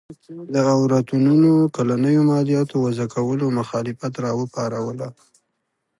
د اورتونونو کلنیو مالیاتو وضعه کولو مخالفت راوپاروله.